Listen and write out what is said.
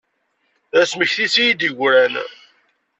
D asmekti-s i yi-d-yegran.